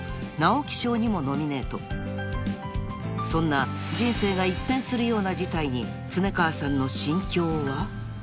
［そんな人生が一変するような事態に恒川さんの心境は］